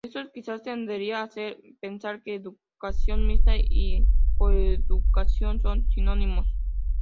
Esto quizás tendería a hacer pensar que educación mixta y coeducación son sinónimos.